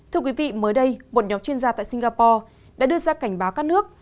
thưa quý vị mới đây một nhóm chuyên gia tại singapore đã đưa ra cảnh báo các nước